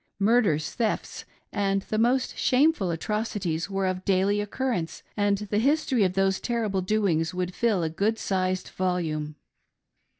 Murders, thefts, and the most shameful attocities were of daily occurrence, and the history of those terrible doings would fill a good sized volume.